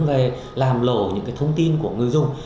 về làm lộ những thông tin của người dùng